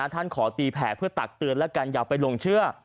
ขอตีแผลเพื่อตักเตือนแล้วกันอย่าไปหลงเชื่อ